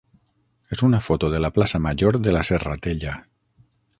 és una foto de la plaça major de la Serratella.